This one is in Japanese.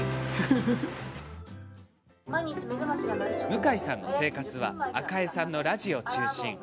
向井さんの生活は赤江さんのラジオ中心。